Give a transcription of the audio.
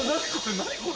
何これ？